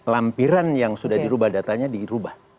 lampiran yang sudah dirubah datanya dirubah